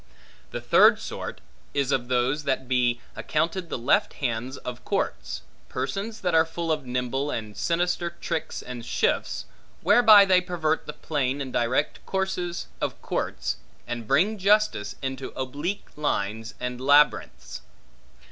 The third sort, is of those that may be accounted the left hands of courts; persons that are full of nimble and sinister tricks and shifts, whereby they pervert the plain and direct courses of courts, and bring justice into oblique lines and labyrinths.